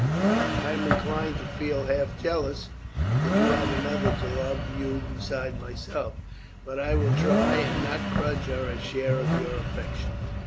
I am inclined to feel half jealous that you have another to love you besides myself, but I will try and not grudge her a share of your affection."